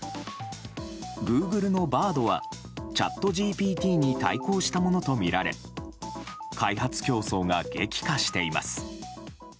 グーグルのＢａｒｄはチャットＧＰＴに対抗したものとみられ開発競争が激化しています。